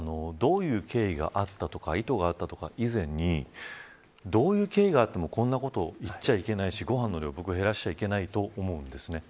どういう経緯や意図があった以前にどういう経緯があってもこんなこと言っちゃいけないしご飯の量も減らしちゃいけないと思います。